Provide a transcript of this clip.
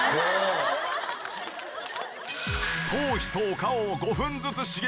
頭皮とお顔を５分ずつ刺激。